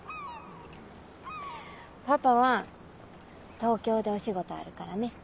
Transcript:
パパは東京でお仕事あるからね。